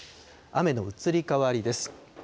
雨の移り変わりです。